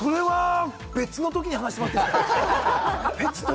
それ別のときに話してもらっていいですか？